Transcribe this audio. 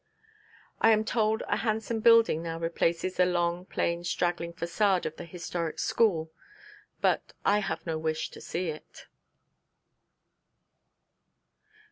I am told a handsome building now replaces the long, plain straggling façade of the historic school but I have no wish to see it.